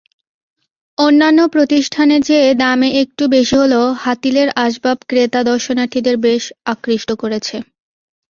অন্যান্য প্রতিষ্ঠানের চেয়ে দামে একটু বেশি হলেও হাতিলের আসবাব ক্রেতা-দর্শনার্থীদের বেশ আকৃষ্ট করেছে।